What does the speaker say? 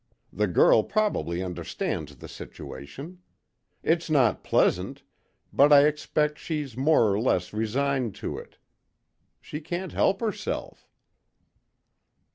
"The girl probably understands the situation. It's not pleasant, but I expect she's more or less resigned to it. She can't help herself."